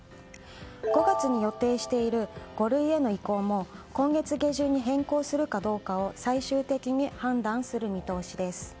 ５月に予定している５類への移行も今月下旬に変更するかどうかを最終的に判断する見通しです。